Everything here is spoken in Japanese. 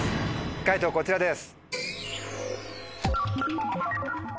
解答こちらです。